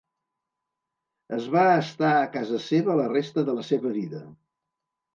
Es va estar a casa seva la resta de la seva vida.